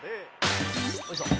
よいしょ。